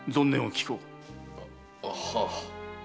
はあ。